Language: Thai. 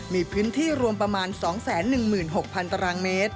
มีพื้นที่รวมประมาณ๒๑๖๐๐๐ตรม